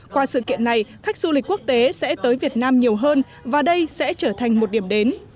qua sự kiện này khách du lịch quốc tế sẽ tới việt nam nhiều hơn và đây sẽ trở thành một điểm đến